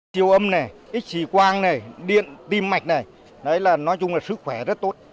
chiều âm ít chỉ quang điện tim mạch nói chung là sức khỏe rất tốt